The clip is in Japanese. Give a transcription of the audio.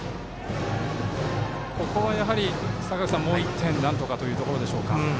ここは、もう１点なんとかというところでしょうか。